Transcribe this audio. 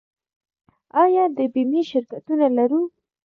آیا د بیمې شرکتونه لرو؟